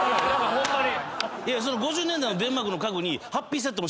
ホントに。